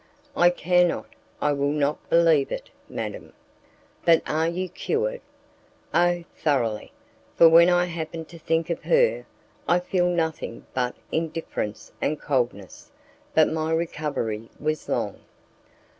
"I cannot, I will not believe it, madam." "But are you cured?" "Oh! thoroughly; for when I happen to think of her, I feel nothing but indifference and coldness. But my recovery was long."